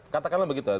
katakanlah begitu ya